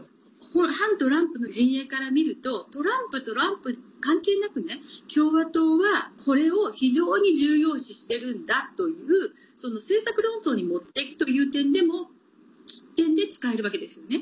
この反トランプの陣営から見るとトランプ関係なく共和党は、これを非常に重要視しているんだという政策論争に持っていくという点でも使えるわけですよね。